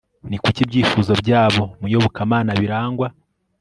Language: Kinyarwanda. ni kuki ibyifuzo byabo mu iyobokamana birangwa